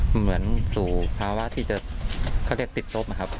เหมือนสู่ภาวะที่จะเขาเรียกติดลบนะครับ